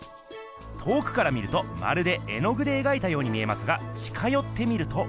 遠くから見るとまるで絵の具でえがいたように見えますが近よって見ると。